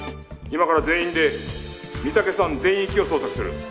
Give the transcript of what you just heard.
今から全員で御岳山全域を捜索する。